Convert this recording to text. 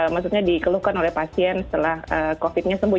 maksudnya dikeluhkan oleh pasien setelah covid nya sembuh